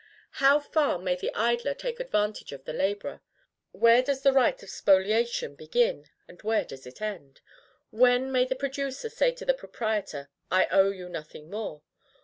How far may the idler take advantage of the laborer? Where does the right of spoliation begin, and where does it end? When may the producer say to the proprietor, "I owe you nothing more"?